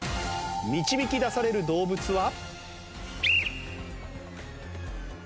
導き出される動物は？